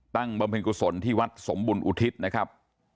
บำเพ็ญกุศลที่วัดสมบุญอุทิศนะครับ